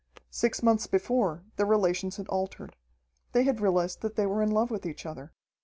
Six months before, their relations had altered. They had realized that they were in love with each other.